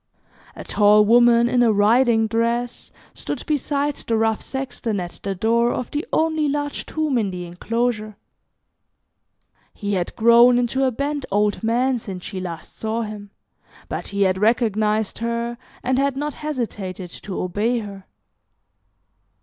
A tall woman in a riding dress stood beside the rough sexton at the door of the only large tomb in the enclosure. He had grown into a bent old man since she last saw him, but he had recognized her, and had not hesitated to obey her.